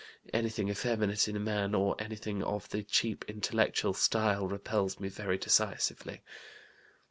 Anything effeminate in a man, or anything of the cheap intellectual style, repels me very decisively.